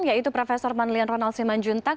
yaitu prof manlian ronald siman juntak